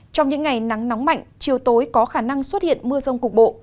trong những ngày nắng nóng mạnh chiều tối có khả năng xuất hiện mưa rông cục bộ